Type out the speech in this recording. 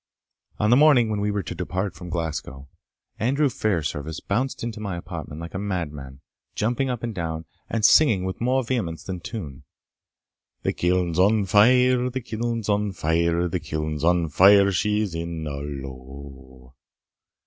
On the morning when we were to depart from Glasgow, Andrew Fairservice bounced into my apartment like a madman, jumping up and down, and singing, with more vehemence than tune, The kiln's on fire the kiln's on fire The kiln's on fire she's a' in a lowe.